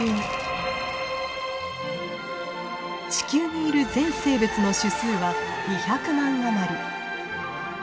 地球にいる全生物の種数は２００万余り。